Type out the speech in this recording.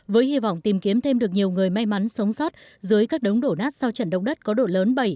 với hy vọng tìm kiếm thêm được nhiều người may mắn sống sót dưới các đống đổ nát sau trận động đất có độ lớn bảy